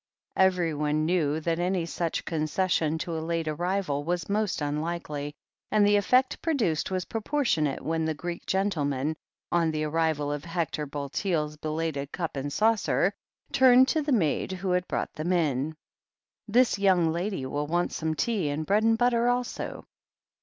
Everybody knew that any such concession to a late arrival was most unlikely, and the effect produced was proportionate when the Greek gentleman, on the ar rival of Hector Bulteel's belated cup and saucer, turned to the maid who had brought them in : "This young lady will want some tea and bread and butter, also."